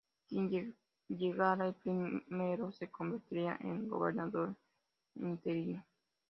Quien llegara el primero se convertiría en gobernador interino.